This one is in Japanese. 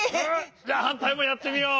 じゃはんたいもやってみよう。